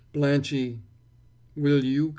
Blanchie, will you come?"